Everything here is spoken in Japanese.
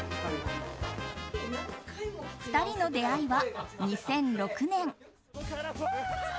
２人の出会いは２００６年。